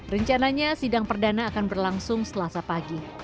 rencananya sidang perdana akan berlangsung selasa pagi